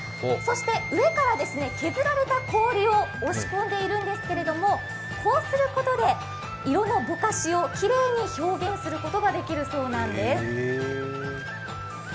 そして、上から削られた氷を押し込んでいるんですけれどもこうすることで色のぼかしをきれいに表現することができるそうなんです。